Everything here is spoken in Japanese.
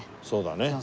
そうだね。